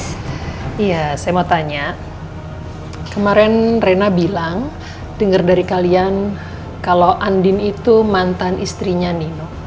iya saya mau tanya kemarin rena bilang dengar dari kalian kalau andin itu mantan istrinya nino